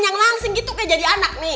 yang langsung gitu kayak jadi anak nih